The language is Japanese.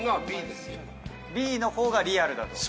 Ｂのほうがリアルだと。